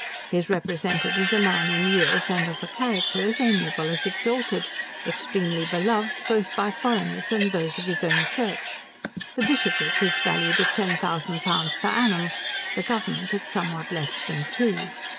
He is represented as a man in years, and of a character as amiable as exalted, extremely beloved both by foreigners and those of his own church. The bishopric is valued at ten thousand pounds per annum; the government at somewhat less than two.